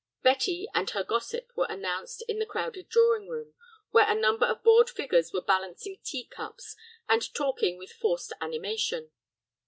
Betty and her gossip were announced in the crowded drawing room, where a number of bored figures were balancing teacups and talking with forced animation.